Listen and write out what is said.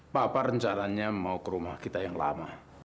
papa rencananya mau ke rumah kita yang lama